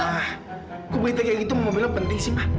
ma aku berita kayak gitu mau bilang penting sih ma